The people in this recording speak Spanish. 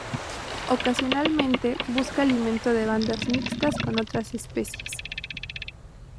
Ocasionalmente busca alimento en bandas mixtas con otras especies.